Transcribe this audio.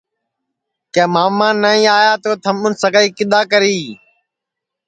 کہ ماما نائی آیا تو تھمُون سگائی کِدؔا کری